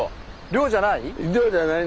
漁じゃない？